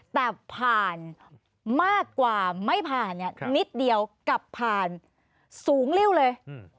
แต่ผ่านมากกว่าไม่ผ่านเนี่ยนิดเดียวกลับผ่านสูงริ้วเลย